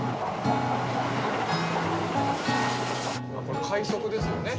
これ快速ですよね？